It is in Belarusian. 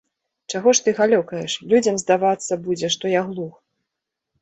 Чаго ж ты галёкаеш, людзям здавацца будзе, што я глух.